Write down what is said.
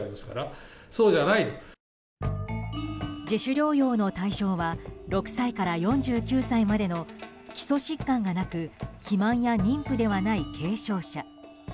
自主療養の対象は６歳から４９歳までの基礎疾患がなく肥満や妊婦ではない軽症者。